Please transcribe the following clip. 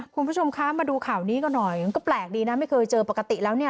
คุณผู้ชมคะมาดูข่าวนี้ก็หน่อยมันก็แปลกดีนะไม่เคยเจอปกติแล้วเนี่ย